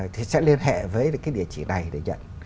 thì sẽ liên hệ với cái địa chỉ này để nhận